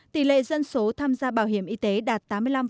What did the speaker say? tỷ lệ dân số tham gia bảo hiểm y tế đạt tám mươi năm